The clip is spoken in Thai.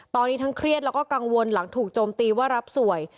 ตอนนี้ทั้งเครียดแล้วก็กังวลหลังถูกโจมตีว่ารับสวย